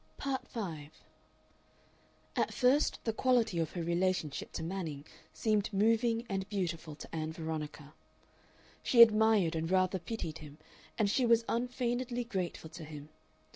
Part 5 At first the quality of her relationship to Manning seemed moving and beautiful to Ann Veronica. She admired and rather pitied him, and she was unfeignedly grateful to him.